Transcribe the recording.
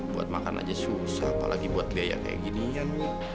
buat makan aja susah apalagi buat biaya kayak ginian